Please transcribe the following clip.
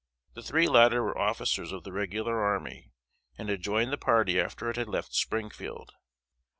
The three latter were officers of the regular army, and had joined the party after it had left Springfield.